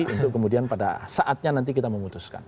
untuk kemudian pada saatnya nanti kita memutuskan